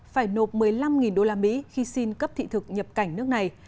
phải nộp một mươi năm usd khi xin cấp thị thực nhập cảnh nước này